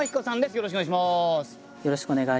よろしくお願いします。